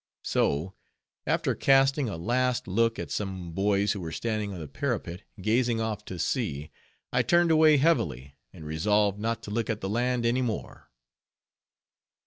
So, after casting a last look at some boys who were standing on the parapet, gazing off to sea, I turned away heavily, and resolved not to look at the land any more.